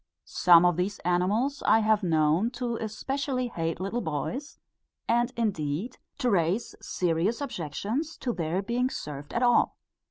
Some of these animals I have known to especially hate little boys, and indeed to raise serious objections to their being served at all.